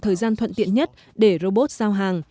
thời gian thuận tiện nhất để robot giao hàng